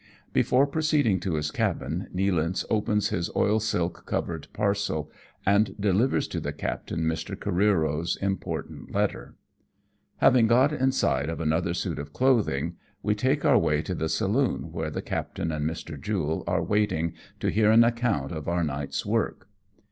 Before proceeding to his cabin, Nealance opens his oil silk covered parcel, and delivers to the captain Mr. Careero's important letter. Having got inside of another suit of clothing, we fFS MAKE A VISIT TO THE SHORE. 159 take our way to the saloon, where the captain and Mr. Jule are waiting to hear an account of our night's work.